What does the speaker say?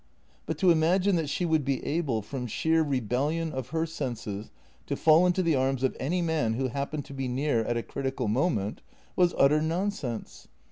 But to imagine that she would be able, from sheer rebellion of her senses, to fall into the arms of any man who happened to be near at a critical mo ment was utter nonsense.